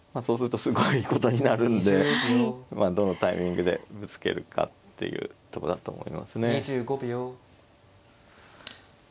そうするとすごいことになるんでどのタイミングでぶつけるかっていうとこだと思いますね。